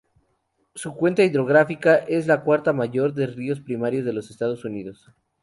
Su cuenca hidrográfica es la cuarta mayor de ríos primarios de los Estados Unidos.